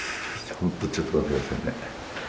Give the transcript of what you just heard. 本当ちょっと待ってくださいね。